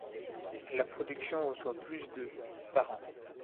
La production reçoit plus de par an.